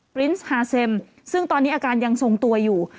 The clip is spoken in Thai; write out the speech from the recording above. ปรินส์ฮาเซมซึ่งตอนนี้อาการยังทรงตัวอยู่